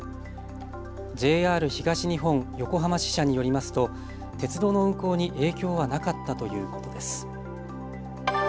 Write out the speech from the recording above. ＪＲ東日本横浜支社によりますと鉄道の運行に影響はなかったということです。